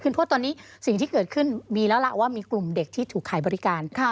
เพราะตอนนี้สิ่งที่เกิดขึ้นมีแล้วล่ะว่ามีกลุ่มเด็กที่ถูกขายบริการ